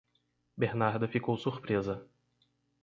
Bernarda ficou surpresa.